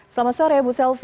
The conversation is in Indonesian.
selamat sore bu selvi